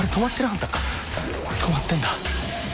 止まってんだ。